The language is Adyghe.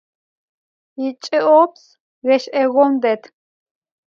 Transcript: Yiçç'ıops ğeş'eğon ded.